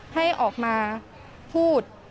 ให้ออกมาพูด